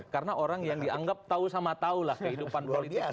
karena orang yang dianggap tahu sama tahu lah kehidupan politik